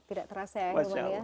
tidak terasa ya ahil maria